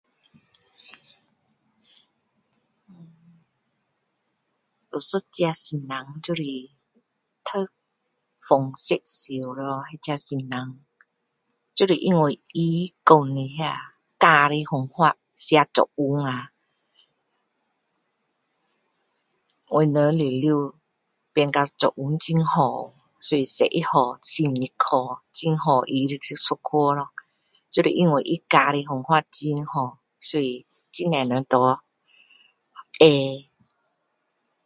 有一个老师就是读form 6时的那个老师就是她讲的那个教的方法写作文啊我们全部变成作文很好所以十一号成绩考很好她的一科就是因为她教的方法很好所以很多人拿A